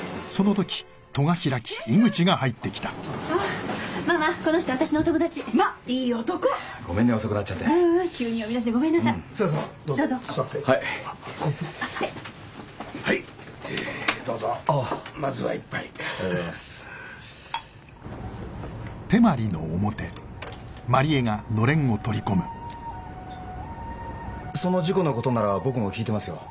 その事故のことなら僕も聞いてますよ。